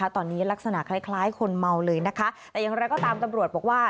ตอนนี้ลักษณะคล้ายคนเมาเลยนะคะแต่อย่างไรก็ตามตำรวจบอกว่า